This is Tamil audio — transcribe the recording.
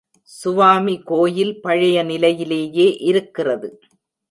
சுவாமி கோயில் பழைய நிலையிலேயே இருக்கிறது.